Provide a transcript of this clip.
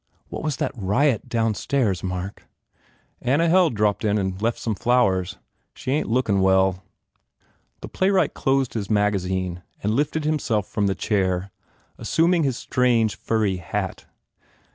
What was that riot downstairs, Mark?" "Anna Held dropped in and left some flowers. She ain t lookin well." The playwright closed his magazine and lifted himself from the chair, assuming his strange furry hat.